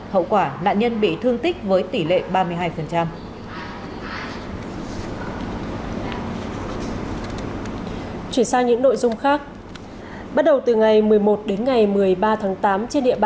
hậu quả nạn nhân bị thương tích